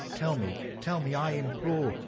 — tell me, — tell me, I implore !